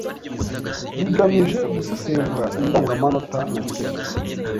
bigamije gusesengura indangamanota na kirazira